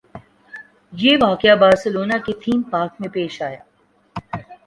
یہ واقعہ بارسلونا کے تھیم پارک میں پیش آیا